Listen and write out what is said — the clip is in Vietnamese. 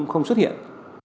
không xuất hiện